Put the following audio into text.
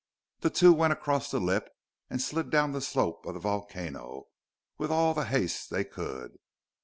The two went across the lip and slid down the slope of the volcano with all the haste they could.